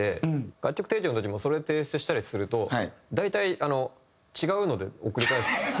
楽曲提供の時もそれ提出したりすると大体違うので送り返す。